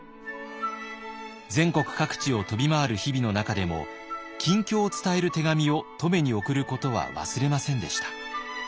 全国各地を飛び回る日々の中でも近況を伝える手紙を乙女に送ることは忘れませんでした。